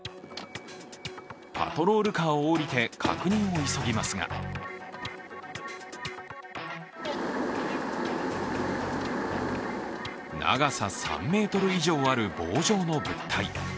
パトロールカーを降りて確認を急ぎますが長さ３ｍ以上ある棒状の物体。